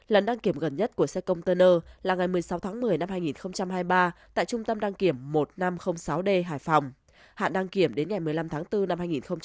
lần đăng kiểm gần nhất của xe container là ngày một mươi sáu tháng một mươi năm hai nghìn hai mươi ba tại trung tâm đăng kiểm một nghìn năm trăm linh sáu d hải phòng hạn đăng kiểm đến ngày một mươi năm tháng bốn năm hai nghìn hai mươi